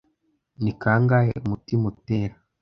Ni kangahe umutima utera